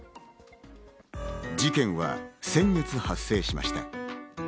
事件は先月発生しました。